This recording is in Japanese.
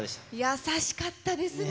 優しかったですね。